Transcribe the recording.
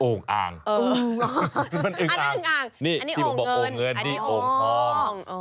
โอ่งอ่างมันอึ้งอ่างอันนี้โอ่งเงินอันนี้โอ่งทอง